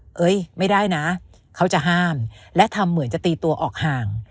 เฮ้ยไม่ได้นะเขาจะห้ามและทำเหมือนจะตีตัวออกห่าง